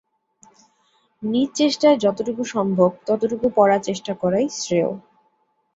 নিজ চেষ্টায় যতটুকু সম্ভব, ততটুকু পড়ার চেষ্টা করাটাই শ্রেয়।